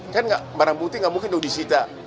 kan barang bukti nggak mungkin sudah disita